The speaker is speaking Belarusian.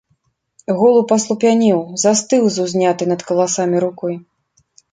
Голуб аслупянеў, застыў з узнятай над каласамі рукой.